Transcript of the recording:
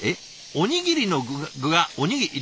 おにぎりの具がおにぎり？